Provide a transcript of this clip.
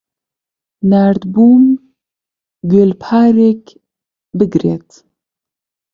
ناردبووم گوێلپارێک بگرێت.